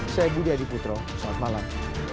saya budi adiputro selamat malam